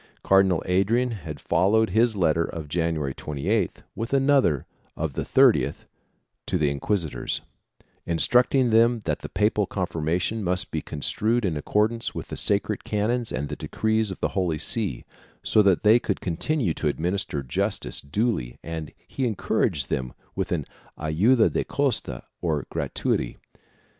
Cardinal Adrian had followed his letter of January 28th 'with another of the 30th to the inquisitors, instructing them that the papal confirmation must be construed in accordance with the sacred canons and the decrees of the Holy See, so that they could continue to admin ister justice duly and he encouraged them with an ayuda de costa or gratuity.